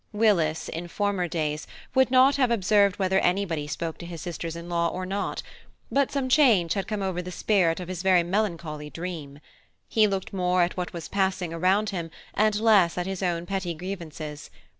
Willis, in former days, would not have observed whether anybody spoke to his sisters in law or not; but some change had come over the spirit of his very melancholy dream. He looked more at what was passing around him, and less at his own petty grievances.